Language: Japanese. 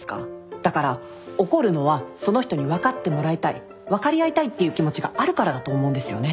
だから怒るのはその人に分かってもらいたい分かり合いたいっていう気持ちがあるからだと思うんですよね。